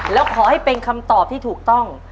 แล้วขอให้เป็นคำตอบที่ถูกต้อง